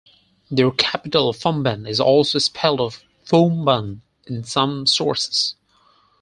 Their capital Fumban is also spelled Foumban in some sources.